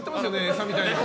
餌みたいなの。